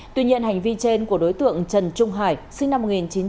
tuy nhiên hành vi trên của đối tượng trần trung hải sinh năm một nghìn chín trăm tám mươi